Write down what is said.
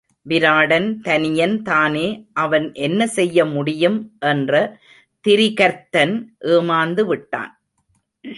விராடன் தனியன் தானே அவன் என்னசெய்ய முடியும் என்ற திரிகர்த்தன் ஏமாந்து விட்டான்.